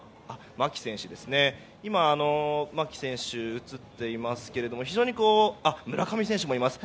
今、牧選手が映っていますけれども村上選手もいます。